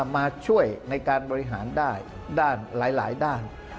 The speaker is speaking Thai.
มาช่วยในการบริหารได้ด้านหลายด้าน